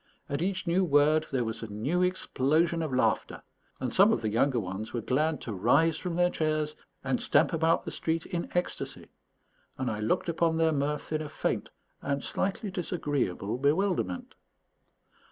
At each new word there was a new explosion of laughter, and some of the younger ones were glad to rise from their chairs and stamp about the street in ecstasy; and I looked on upon their mirth in a faint and slightly disagreeable bewilderment.